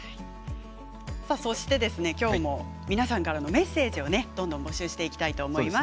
そして、きょうも皆さんからのメッセージをどんどん募集していきたいと思います。